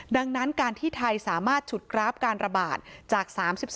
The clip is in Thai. ดังนั้นการที่ไทยสามารถฉุดกราฟการระบาดจาก๓๒